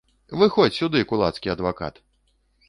Выходзь сюды, кулацкі адвакат!